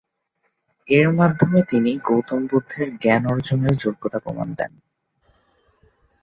এর মাধ্যমে তিনি গৌতম বুদ্ধের জ্ঞান অর্জনের যোগ্যতার প্রমাণ দেন।